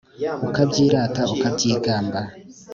Ukabyirata ukabyigamba